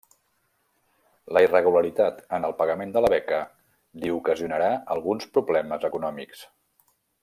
La irregularitat en el pagament de la beca li ocasionarà alguns problemes econòmics.